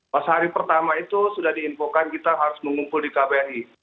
pas hari pertama itu sudah diinfokan kita harus mengumpul di kbri